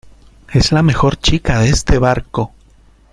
es la mejor chica de este barco